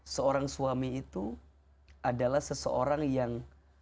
seorang suami itu adalah seseorang yang